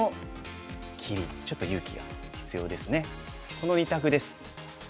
この２択です。